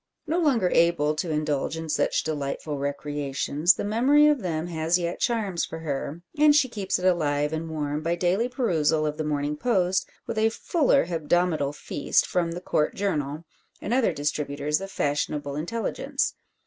No longer able to indulge in such delightful recreations, the memory of them has yet charms for her, and she keeps it alive and warm by daily perusal of the Morning Post with a fuller hebdomadal feast from the Court Journal, and other distributors of fashionable intelligence.